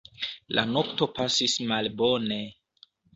La nokto pasis malbone.